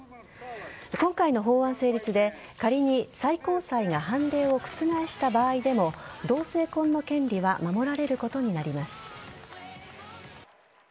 今回の法案成立で、仮に最高裁が判例を覆した場合でも同性婚の権利は守られることになります。